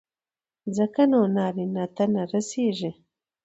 ځکه نو نارينه ته نه رسېږي.